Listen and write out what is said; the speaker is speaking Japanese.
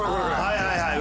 はいはいはい。